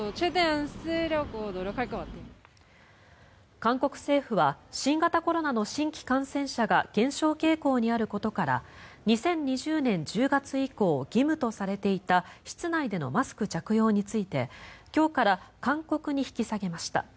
韓国政府は新型コロナの新規感染者が減少傾向にあることから２０２０年１０月以降義務とされていた室内でのマスク着用について今日から勧告に引き下げました。